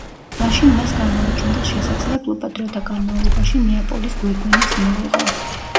მაშინ მას გამოუჩნდა შესაძლებლობა, დროთა განმავლობაში ნეაპოლის გვირგვინიც მოეღო.